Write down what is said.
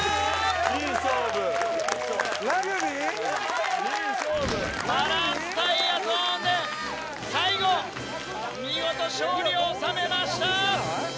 ・いい勝負・・ラグビー・バランスタイヤゾーンで最後見事勝利を収めました。